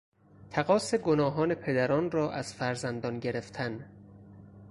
تقاص گناهان پدران را از فرزندان گرفتن